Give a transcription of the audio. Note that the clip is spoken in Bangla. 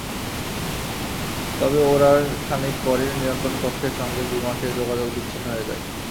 তবে ওড়ার খানিক পরই নিয়ন্ত্রণকক্ষের সঙ্গে বিমানটির যোগাযোগ বিচ্ছিন্ন হয়ে যায়।